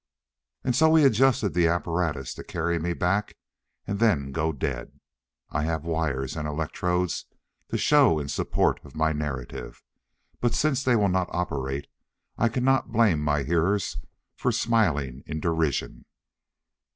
And so he adjusted the apparatus to carry me back and then go dead. I have wires and electrodes to show in support of my narrative. But since they will not operate I cannot blame my hearers for smiling in derision.